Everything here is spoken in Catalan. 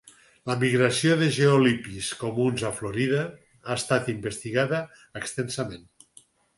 La migració de geothlypis comuns a Florida ha estat investigada extensament.